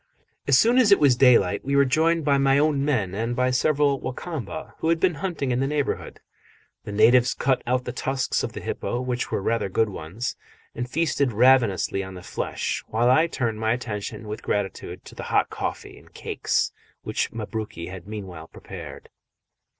As soon as it was daylight we were joined by my own men and by several Wa Kamba, who had been hunting in the neighbourhood. The natives cut out the tusks of the hippo, which were rather good ones, and feasted ravenously on the flesh, while I turned my attention with gratitude to the hot coffee and cakes which Mabruki had meanwhile prepared.